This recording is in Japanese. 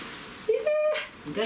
痛い。